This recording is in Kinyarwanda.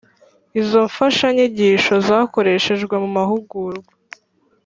Izo mfashanyigisho zakoreshejwe mu mahugurwa